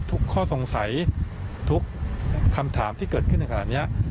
ทุกข้อสงสัยทุกคำถามที่เกิดขึ้นอย่างขนาดเนี้ย